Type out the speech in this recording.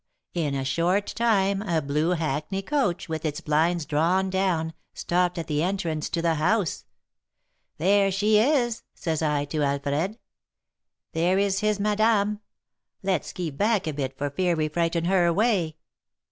in a short time a blue hackney coach, with its blinds drawn down, stopped at the entrance to the house. 'There she is!' says I to Alfred. 'There is his madame; let's keep back a bit for fear we frighten her away.'